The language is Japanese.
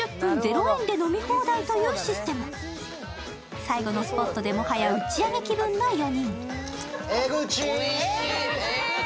最後のスポットでもはや打ち上げ気分の４人。